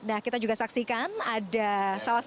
nah kita juga saksikan ada salah satu